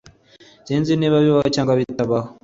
Sinzi niba bibaho cyangwa bitabaho